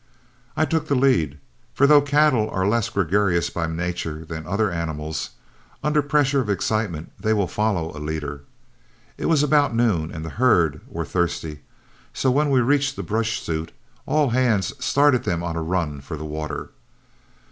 I took the lead, for though cattle are less gregarious by nature than other animals, under pressure of excitement they will follow a leader. It was about noon and the herd were thirsty, so when we reached the brush chute, all hands started them on a run for the water.